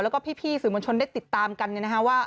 แล้วก็พี่สื่อมวลชนได้ติดตามกันว่า